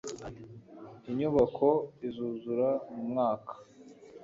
Inyubako izuzura mu mwaka.